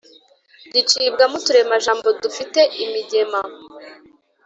ricibwamo uturemajambo dufite imigema